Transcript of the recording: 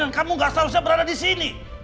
dan kamu gak seharusnya berada disini